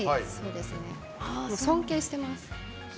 尊敬してます。